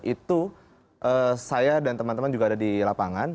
itu saya dan teman teman juga ada di lapangan